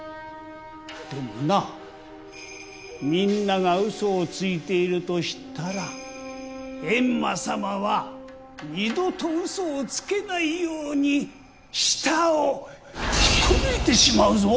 でもなみんなが嘘をついていると知ったら閻魔様は二度と嘘をつけないように舌を引っこ抜いてしまうぞ。